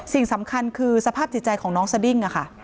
สิ่งสำคัญคือสภาพจิตใจของน้องสดิ้งค่ะ